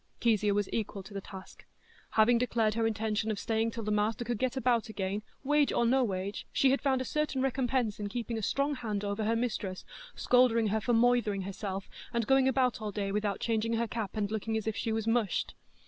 Kezia was equal to the task. Having declared her intention of staying till the master could get about again, "wage or no wage," she had found a certain recompense in keeping a strong hand over her mistress, scolding her for "moithering" herself, and going about all day without changing her cap, and looking as if she was "mushed."